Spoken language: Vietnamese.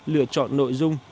lựa chọn nội dung